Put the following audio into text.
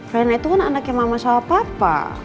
karena itu kan anak yang sama sama papa